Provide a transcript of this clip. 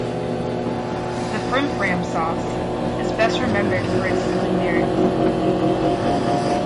"The Frim Fram Sauce" is best remembered for its silly lyrics.